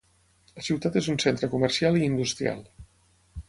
La ciutat és un centre comercial i industrial.